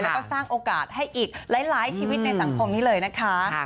แล้วก็สร้างโอกาสให้อีกหลายชีวิตในสังคมนี้เลยนะคะ